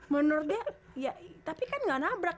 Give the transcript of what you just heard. menurut dia ya tapi kan gak nabrak